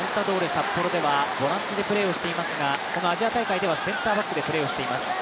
札幌ではボランチでプレーをしていますが、アジア大会はセンターバックでプレーをしています。